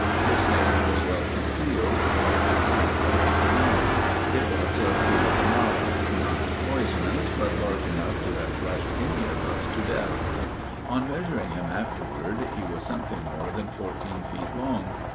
The snake was well concealed, but at last I made him out; it was a coulacanara, not poisonous, but large enough to have crushed any of us to death. On measuring him afterward, he was something more than fourteen feet long.